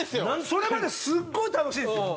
それまですっごい楽しいんですよ。